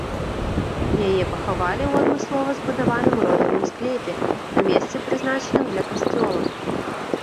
Яе пахавалі ў адмыслова збудаваным родавым склепе, на месцы прызначаным для касцёла.